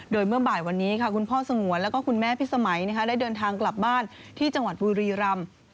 โดยเมื่อบ่ายวันนี้ค่ะคุณพ่อสงวนแล้วก็คุณแม่พิสมัยได้เดินทางกลับบ้านที่จังหวัดบุรีรำ